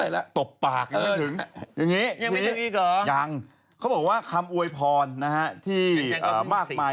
กระเทยเก่งกว่าเออแสดงความเป็นเจ้าข้าว